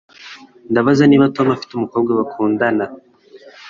Ndabaza niba Tom afite umukobwa bakundana